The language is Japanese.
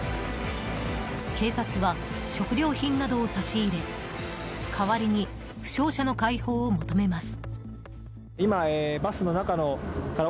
警察は、食料品などを差し入れ代わりに負傷者の解放を求めます。